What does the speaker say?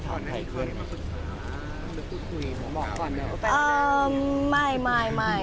แล้วก็เคารพกันตัดสินใจของเพื่อน